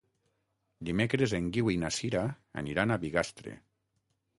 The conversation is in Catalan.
Dimecres en Guiu i na Sira aniran a Bigastre.